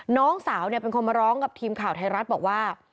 น้องสาวเป็นคนมาร้องกับทีมข่าวไทยรัฐบอกว่า